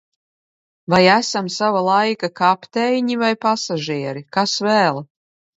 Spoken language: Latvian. Vai esam sava laika kapteiņi vai pasažieri? Kas vēl?